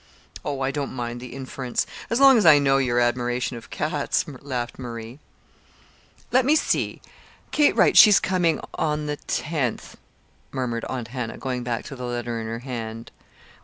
"Oh, I don't mind the inference as long as I know your admiration of cats," laughed Marie. "Let me see; Kate writes she is coming the tenth," murmured Aunt Hannah, going back to the letter in her hand.